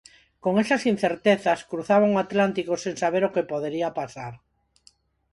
Con esas incertezas, cruzaban o Atlántico sen saber o que podería pasar.